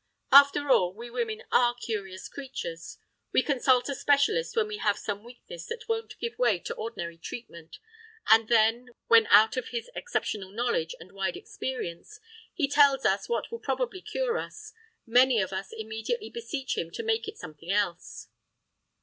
After all, we women are curious creatures! We consult a specialist when we have some weakness that won't give way to ordinary treatment, and then, when, out of his exceptional knowledge and wide experience, he tells us what will probably cure us, many of us immediately beseech him to make it something else.